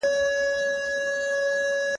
خو غټ او ښکلی